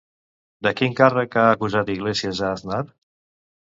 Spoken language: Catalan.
De quin càrrec ha acusat Iglesias a Aznar?